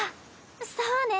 そうね。